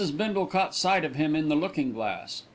Bindle caught sight of him in the looking glass.